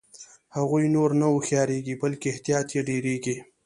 هغوی نور نه هوښیاریږي بلکې احتیاط یې ډیریږي.